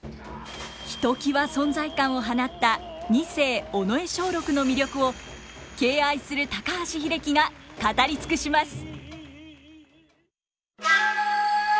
ひときわ存在感を放った二世尾上松緑の魅力を敬愛する高橋英樹が語りつくします。